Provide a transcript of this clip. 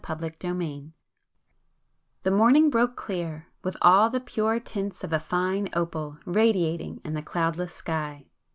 [p 260]XXIII The morning broke clear, with all the pure tints of a fine opal radiating in the cloudless sky.